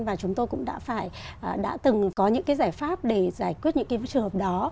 và chúng tôi cũng đã từng có những giải pháp để giải quyết những trường hợp đó